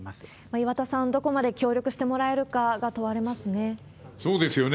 岩田さん、どこまで協力してもらえるかが問われますね。